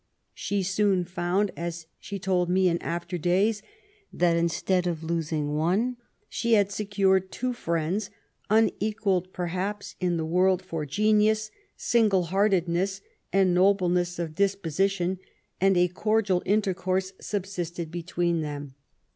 She soon found, as she told me in after days, that instead of losing one she had secured two firiends, unequalled, perhaps, in the world for genius, single heartedness, and nobleness of disposition, and a cordial intercourse subsisted between them.''